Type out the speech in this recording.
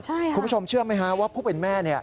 คุณผู้ชมเชื่อไหมฮะว่าผู้เป็นแม่